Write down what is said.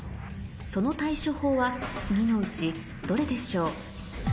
その対処法は次のうちどれでしょう？